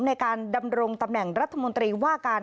ในการดำรงตำแหน่งรัฐมนตรีว่าการ